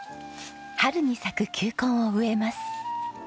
春に咲く球根を植えます。